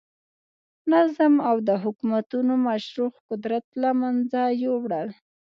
نظم او د حکومتونو مشروع قدرت له منځه یووړل.